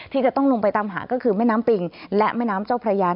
ที่จะต้องลงไปตามหาก็คือแม่น้ำปิงและแม่น้ำเจ้าพระยา